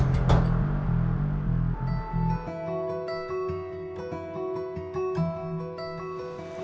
kayaknya mereka kenal